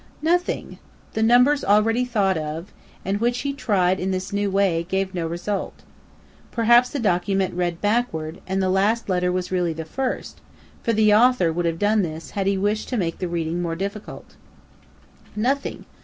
Nothing! The numbers already thought of, and which he tried in this new way, gave no result. Perhaps the document read backward, and the last letter was really the first, for the author would have done this had he wished to make the reading more difficult. Nothing!